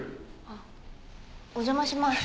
あっお邪魔します。